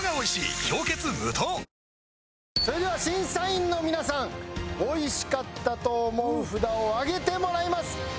あそれでは審査員の皆さんおいしかったと思う札を上げてもらいます！